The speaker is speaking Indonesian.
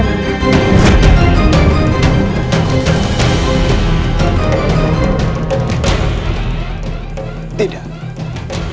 aku tidak mau